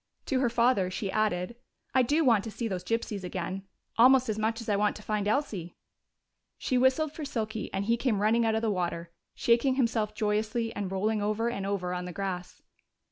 To her father she added, "I do want to see those gypsies again, almost as much as I want to find Elsie." She whistled for Silky, and he came running out of the water, shaking himself joyously and rolling over and over on the grass.